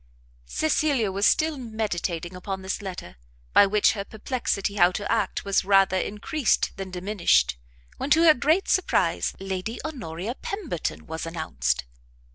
Cecilia was still meditating upon this letter, by which her perplexity how to act was rather encreased than diminished, when, to her great surprise, Lady Honoria Pemberton was announced.